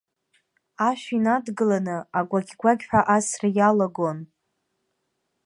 Ашә инадгыланы агәақь-агәақьҳәа асра иалагон.